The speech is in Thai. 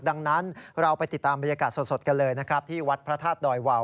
ดังนั้นเราไปติดตามบรรยากาศสดกันเลยนะครับที่วัดพระธาตุดอยวาว